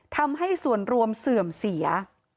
ทำให้ส่วนรวมเสื่อมเสีย